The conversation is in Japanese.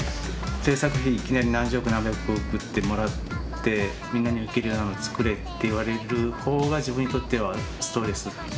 製作費いきなり何十億何百億ってもらってみんなにウケるようなの作れって言われる方が自分にとってはストレス。